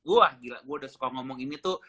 wah gila gue udah suka ngomong ini tuh